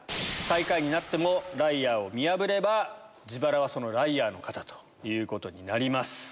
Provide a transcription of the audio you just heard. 最下位になってもライアーを見破れば自腹はそのライアーの方ということになります。